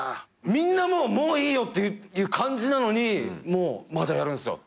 みんなもういいよっていう感じなのにまだやるんすよ。